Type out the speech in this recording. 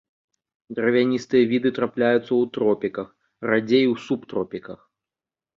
Дравяністыя віды трапляюцца ў тропіках, радзей у субтропіках.